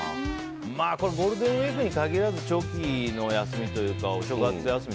ゴールデンウィークに限らず長期の休みというかお正月休み